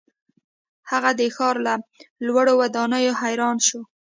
هغه د ښار له لوړو ودانیو حیران شو.